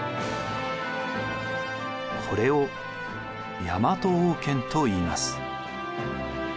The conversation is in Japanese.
これを大和王権といいます。